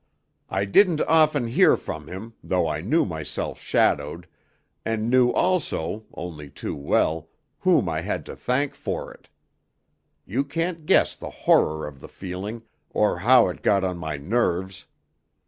I didn't often hear from him, though I knew myself shadowed, and knew also, only too well, whom I had to thank for it. You can't guess the horror of the feeling, or how it got on my nerves.